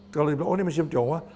kalau dibilang ini museum tionghoa